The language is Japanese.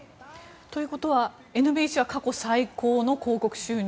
ということはＮＢＣは過去最高の広告収入。